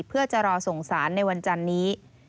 เพื่อจะรอส่งสารในวันจันนี้